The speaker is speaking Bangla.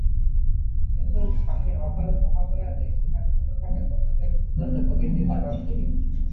কিন্তু স্বামীর অকাল মহাপ্রয়াণে শোকাচ্ছন্ন থাকায় বসন্তের সৌন্দর্য কবির নিকট অর্থহীন।